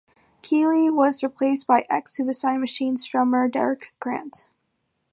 Keely was replaced by ex Suicide Machines drummer Derek Grant.